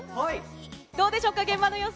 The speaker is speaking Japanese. どうでしょうか、現場の様子。